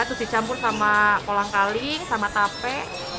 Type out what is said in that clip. terus dicampur sama kolang kaling sama tape